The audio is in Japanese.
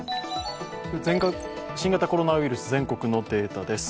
新型コロナウイルス、全国のデータです。